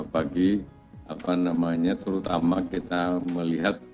bagi terutama kita melihat